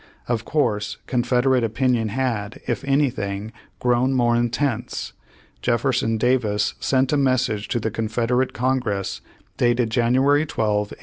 Of course Confederate opin ion had, if anything, grown more intense. Jef ferson Davis sent a message to the Confederate Congress dated January 12, 1863.